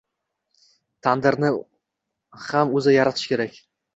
“tandir”ni ham o’zi yaratishi kerak.